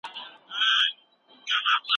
انسان بايد خپل عزت په زغم وساتي.